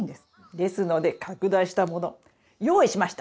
ですので拡大したもの用意しました。